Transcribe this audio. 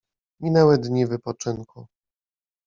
Minęły dni wypoczynku.